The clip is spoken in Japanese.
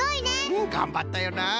うんがんばったよな。